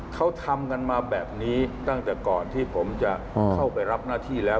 เขาทำกันมาแบบนี้ตั้งแต่ก่อนที่ผมจะเข้าไปรับหน้าที่แล้ว